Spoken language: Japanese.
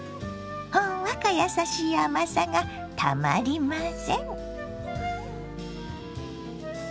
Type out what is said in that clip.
ほんわかやさしい甘さがたまりません。